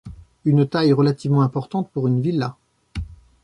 Une taille relativement importante pour une villa.